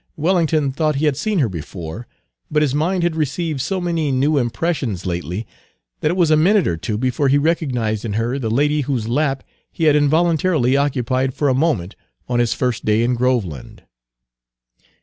Wellington thought he had seen her before, but his mind had received so many new impressions lately that it was a minute or two before he recognized in her the lady whose lap he had involuntarily occupied for a moment on his first day in Groveland.